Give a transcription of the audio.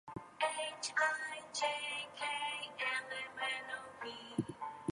In such cases, the sick man would feel cooled and would most likely recover.